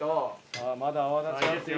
さあまだ泡立ちますよ。